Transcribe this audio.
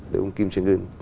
để ông kim trân ngân